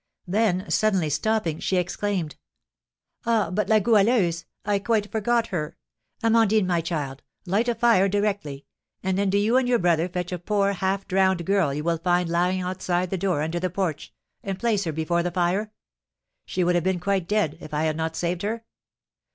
Then, suddenly stopping, she exclaimed, "Ah, but La Goualeuse! I quite forgot her. Amandine, my child, light a fire directly; and then do you and your brother fetch a poor, half drowned girl you will find lying outside the door under the porch, and place her before the fire. She would have been quite dead, if I had not saved her.